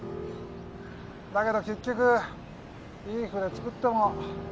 だけど結局いい船造っても